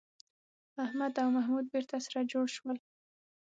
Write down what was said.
احمد او محمود بېرته سره جوړ شول.